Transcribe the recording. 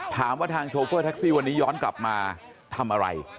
ถามว่าทางโชเฟอร์แท็กซี่วันนี้ย้อนกลับมาทำอะไร